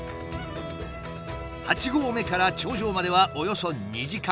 八合目から頂上まではおよそ２時間半。